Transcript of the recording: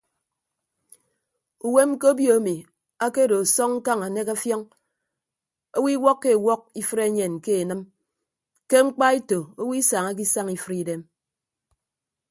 Uwem ke obio emi akedo asọñ ñkañ anek ọfiọñ owo iwọkkọ ewọk ifre enyen ke enịm ke mkpaeto owo isañake isañ ifre idem.